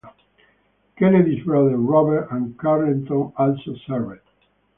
Kennedy's brothers, Robert and Carleton, also served.